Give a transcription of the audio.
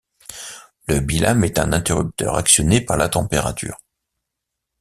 Le bilame est un interrupteur actionné par la température.